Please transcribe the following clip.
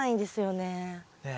ねえ。